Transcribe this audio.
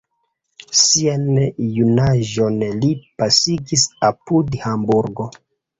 Sian junaĝon li pasigis apud Hamburgo.